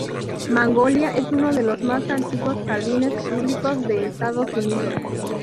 Magnolia es uno de los más antiguos jardines públicos de Estados Unidos.